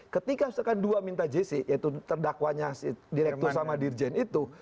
ketika misalkan dua minta jc yaitu terdakwanya direktur sama dirjen itu